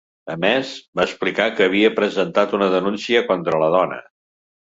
A més, va explicar que havia presentat una denúncia contra la dona.